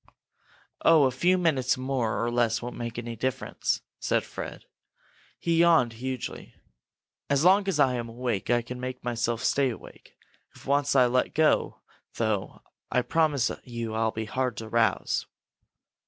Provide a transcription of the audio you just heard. "Oh, a few minutes more or less won't make any difference!" said Fred. He yawned hugely. "As long as I'm awake, I can make myself stay awake. If I once let go, though, I promise you I'll be hard to rouse!"